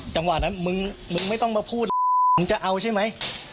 จังหวะนั้นมึงมึงไม่ต้องมาพูดมึงจะเอาใช่ไหม